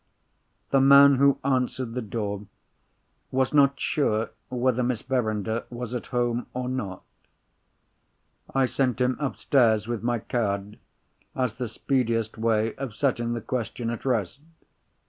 The man who answered the door was not sure whether Miss Verinder was at home or not. I sent him upstairs with my card, as the speediest way of setting the question at rest.